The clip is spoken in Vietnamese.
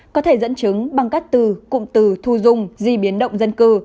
có thể dẫn chứng bằng các từ cụm từ thu dung di biến động dân cư